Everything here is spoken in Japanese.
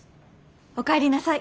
おかえりなさい。